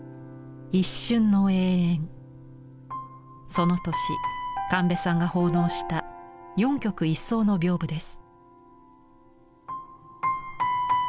その年神戸さんが奉納した四曲一双の屏風です。